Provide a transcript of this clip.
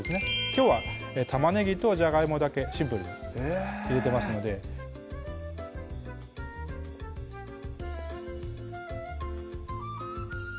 きょうはたまねぎとじゃがいもだけシンプルに入れてますのでへぇ